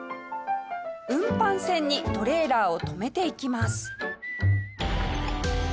運搬船にトレーラーを止めていきます。